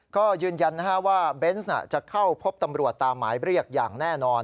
ก็ยืนยันว่าเบนส์จะเข้าพบตำรวจตามหมายเรียกอย่างแน่นอน